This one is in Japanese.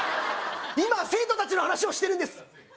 今は生徒達の話をしてるんです